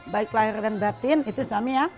baik lahir dan batin itu suami ya